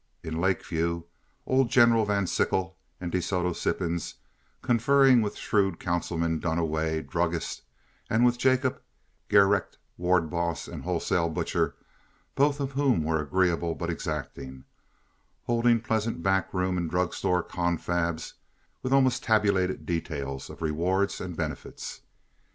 In Lake View old General Van Sickle and De Soto Sippens, conferring with shrewd Councilman Duniway, druggist, and with Jacob Gerecht, ward boss and wholesale butcher, both of whom were agreeable but exacting, holding pleasant back room and drug store confabs with almost tabulated details of rewards and benefits.